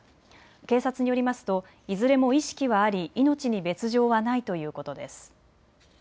警察によりますといずれも意識はあり命に別状はないということです。